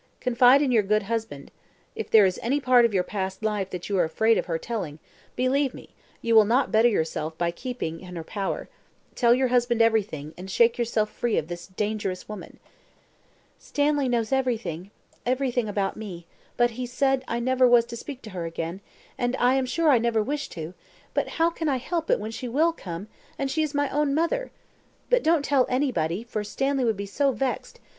Confide in your good husband. If there is any part of your past life that you are afraid of her telling, believe me you will not better yourself by keeping in her power tell your husband everything, and shake yourself free of this dangerous woman." "Stanley knows everything everything about me but he said I never was to speak to her again; and I am sure I never wished to; but how can I help it when she will come and she is my own mother? But don't tell anybody, for Stanley would be so vexed.